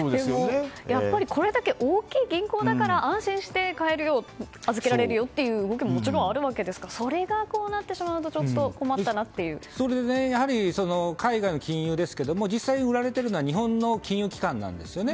やっぱりこれだけ大きい銀行だから安心して買えるよ預けられるよという動きももちろんあるわけですからそれがこうなってしまうと海外の金融ですけれども実際売られているのは日本の金融機関なんですね。